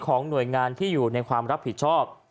ของหน่วยงานที่อยู่ในความรับผิดชอบ